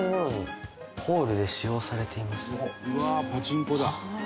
「うわーパチンコだ」はあ！